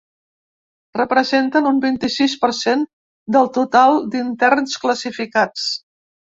Representen un vint-i-sis per cent del total d’interns classificats.